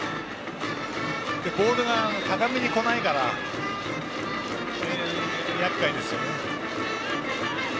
ボールが高めに来ないからやっかいですよね。